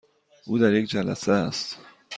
او در یک جلسه است.